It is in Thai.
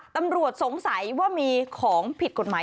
ตำรวจสงสัยว่ามีของผิดกฎหมาย